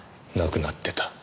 亡くなってた。